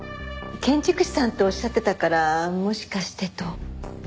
建築士さんとおっしゃってたからもしかしてと。